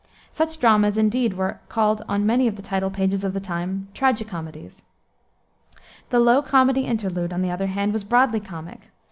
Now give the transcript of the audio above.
Such dramas, indeed, were called, on many of the title pages of the time, "tragi comedies." The low comedy interlude, on the other hand, was broadly comic.